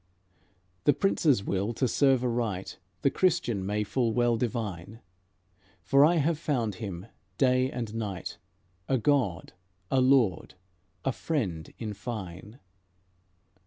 The Prince's will to serve aright The Christian may full well divine; For I have found Him, day and night, A God, a Lord, a Friend in fine.